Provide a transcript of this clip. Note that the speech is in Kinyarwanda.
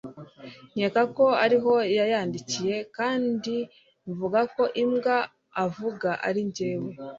nkeka ko ariho yayandikiye kandimvugako imbwa avuga ari jyewe